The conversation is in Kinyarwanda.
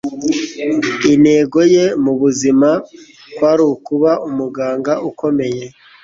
Intego ye mubuzima kwari ukuba umuganga ukomeye